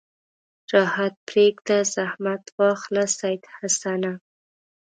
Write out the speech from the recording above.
راحت پرېږده زحمت واخله سید حسنه.